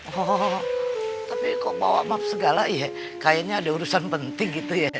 oh tapi kok bawa maaf segala ya kayaknya ada urusan penting gitu ya